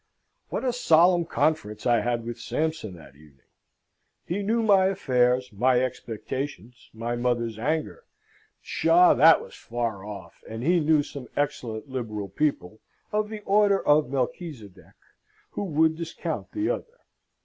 What a solemn conference I had with Sampson that evening! He knew my affairs, my expectations, my mother's anger. Psha! that was far off, and he knew some excellent liberal people (of the order of Melchizedek) who would discount the other.